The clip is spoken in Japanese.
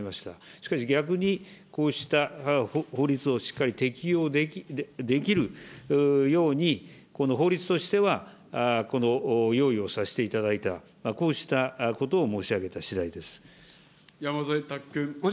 しかし、逆にこうした法律をしっかり適用できるように、この法律としてはこの用意をさせていただいた、こうしたことを申し上げたしだいであります。